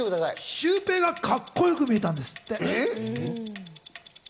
シュウペイがカッコよく見えたんですって。